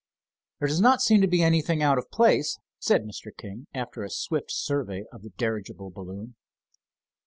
"There does not seem to be anything out of place," said Mr. King, after a swift survey of the dirigible balloon.